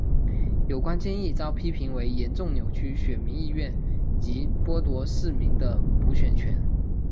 有关建议遭批评为严重扭曲选民意愿及剥夺市民的补选权。